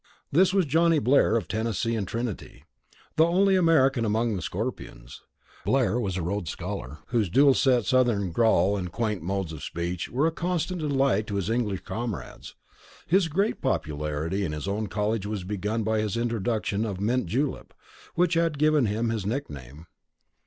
This was Johnny Blair of Tennessee and Trinity, the only American among the Scorpions. Blair was a Rhodes Scholar whose dulcet Southern drawl and quaint modes of speech were a constant delight to his English comrades. His great popularity in his own college was begun by his introduction of mint julep, which had given him his nickname.